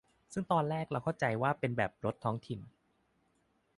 ซึ่งตอนแรกเราเข้าใจว่าเป็นแบบรถท้องถิ่น